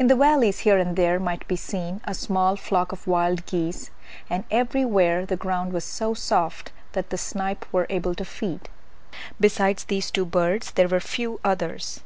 In the valleys here and there might be seen a small flock of wild geese, and everywhere the ground was so soft that the snipe were able to feed. Besides these two birds there were few others.